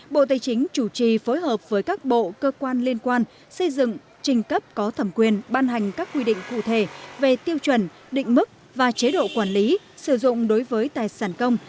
bộ tây chính chủ trì phối hợp với các bộ cơ quan liên quan xây dựng trình cấp có thẩm quyền ban hành các quy định cụ thể về tiêu chuẩn định mức và chế độ quản lý sử dụng đối với tài sản công